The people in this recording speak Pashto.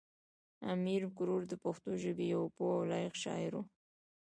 امیر کروړ د پښتو ژبې یو پوه او لایق شاعر و.